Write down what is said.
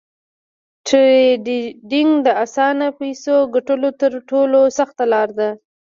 ټریډینګ د اسانه فیسو ګټلو تر ټولو سخته لار ده